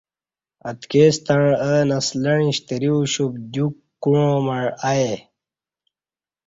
اتکی ستݩع اہ نسلعیں شتری اُوشُپ، دیو کوعاں مع ائے۔